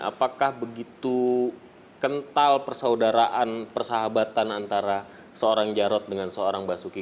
apakah begitu kental persaudaraan persahabatan antara seorang jarod dengan seorang basuki